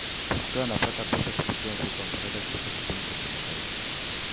Pascoe anapata posho kupitia mfuko wa msaada kutoka Kikundi cha Kimataifa